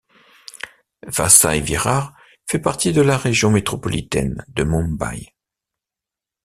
Vasai-Virar fait partie de la Région métropolitaine de Mumbai.